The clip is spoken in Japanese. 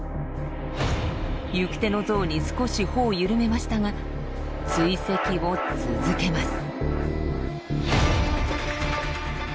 行く手のゾウに少し歩を緩めましたが追跡を続けます。